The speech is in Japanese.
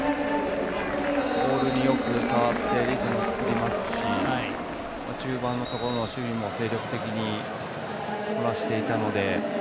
ボールによく触ってリズムを作りますし中盤のところの守備も精力的にこなしていたので。